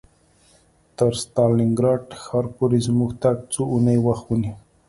تر ستالینګراډ ښار پورې زموږ تګ څو اونۍ وخت ونیو